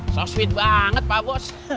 sosfit banget pak bos